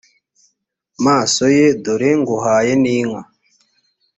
maso ye dore nguhaye n inka